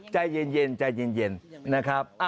ใจเย็นนะครับ